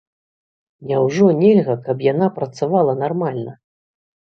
Няўжо нельга, каб яна працавала нармальна?